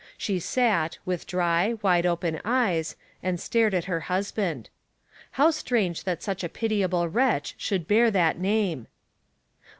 She sat, with dry, wide open eyes, and stared at her husband. How strange that such a pitiable wretch should bear that name